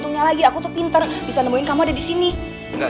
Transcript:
rupanya kecepatan aku kalian ke songgok